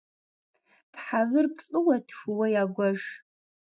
Тхьэвыр плӏыуэ-тхууэ ягуэш.